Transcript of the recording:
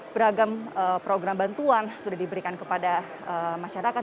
beragam program bantuan sudah diberikan kepada masyarakat